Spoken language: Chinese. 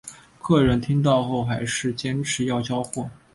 客人听到后还是坚持要交货